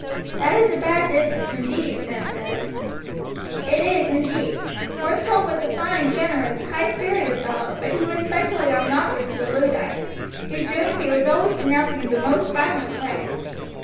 "That is a bad business, indeed," Ned said. "It is, indeed. Horsfall was a fine, generous, high spirited fellow, but he was specially obnoxious to the Luddites, whose doings he was always denouncing in the most violent way.